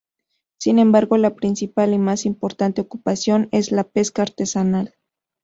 Sin embargo la principal y más importante ocupación es la pesca artesanal.